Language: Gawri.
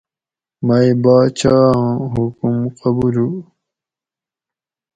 مئ باچ آں حکم قبولوُ